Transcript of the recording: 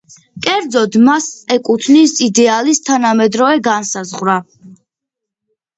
კერძოდ, მას ეკუთვნის იდეალის თანამედროვე განსაზღვრა.